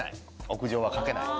屋上は書けない。